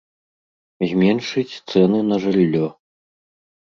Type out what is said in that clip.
Зменшыць цэны на жыллё.